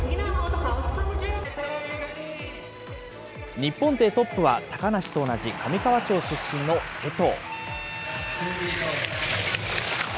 日本勢トップは、高梨と同じ上川町出身の勢藤。